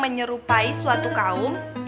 menyerupai suatu kaum